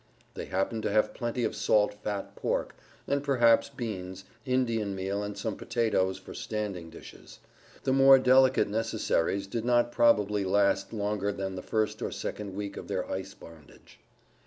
They happened to have plenty of salt fat pork, and perhaps beans, Indian meal and some potatoes for standing dishes; the more delicate necessaries did not probably last longer than the first or second week of their ice bondage.